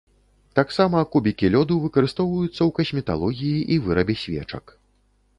Таксама кубікі лёду выкарыстоўваюцца ў касметалогіі і вырабе свечак.